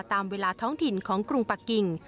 ตามเวลาท้องถิ่นของกรุงปะกิ่ง